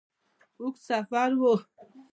اوږد سفر وو.